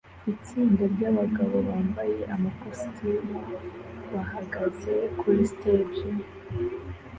Itsinda ryabagabo bambaye amakositimu bahagaze kuri stage